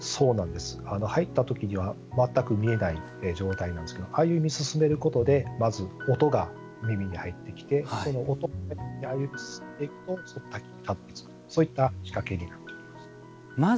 入ったときには全く見えない状態なんですけど歩み進めることでまず音が耳に入ってきてその音で歩みを進めていくとその滝にたどりつくという仕掛けになっております。